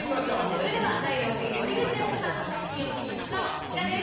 それでは第６位森口瑤子さんの作品を見てみましょうこちらです。